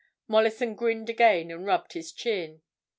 Mollison grinned again and rubbed his chin.